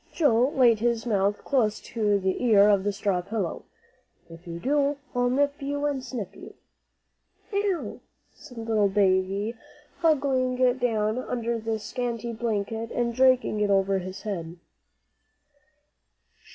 Joel laid his mouth close to the ear on the straw pillow; "if you do, I'll nip you and snip you." "Ow!" said little Davie, huddling down under the scanty blanket and dragging it over his head.